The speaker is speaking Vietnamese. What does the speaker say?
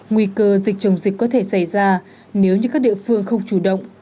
nguy cơ dịch chồng dịch có thể xảy ra nếu như các địa phương không chủ động